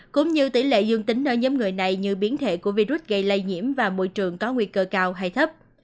cũng như tỷ lệ dương tính ở nhóm người này như biến thể của virus gây lây nhiễm và môi trường có nguy cơ cao hay thấp